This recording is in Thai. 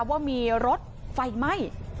ว่ามีรถไฟไหม้